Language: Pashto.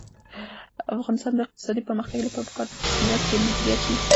د افغانستان د اقتصادي پرمختګ لپاره پکار ده چې مرستې مدیریت شي.